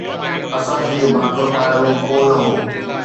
اسان کي ڀاڪر پائڻ ۾ ڪو نه هو